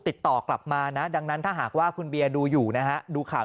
ติดต่อกลับมานะดังนั้นถ้าหากว่าคุณเบียร์ดูอยู่นะฮะดูข่าว